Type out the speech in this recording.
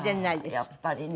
やっぱりね。